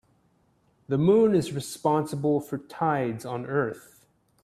The moon is responsible for tides on earth.